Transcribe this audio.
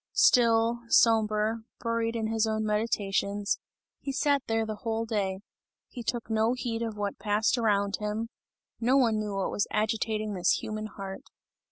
Still, sombre, buried in his own meditations, he sat there the whole day; he took no heed of what passed around him, no one knew what was agitating this human heart.